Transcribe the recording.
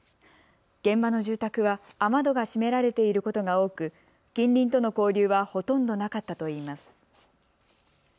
現場の住宅は雨戸が閉められていることが多く近隣との交流はほとんどなかったといいます。